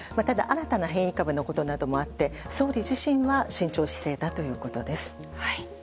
ただ、新たな変異株のこともあり総理自身は慎重姿勢だということです。